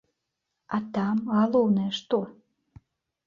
А там галоўнае што?